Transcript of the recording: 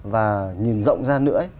và nhìn rộng ra nữa